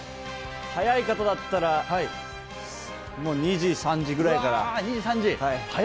早い方だったら２時、３時ぐらいから。